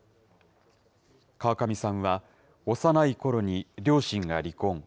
川上さんは、幼いころに両親が離婚。